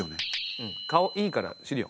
うん顔いいから資料。